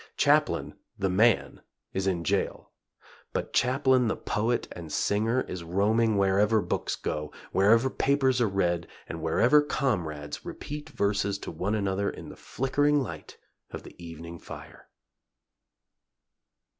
Chaplin, the man, is in jail; but Chaplin the poet and singer is roaming wherever books go; wherever papers are read, and wherever comrades repeat verses to one another in the flickering light of the evening fire.